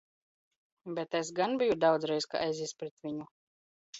Bet es gan biju daudzreiz kā ezis pret viņu!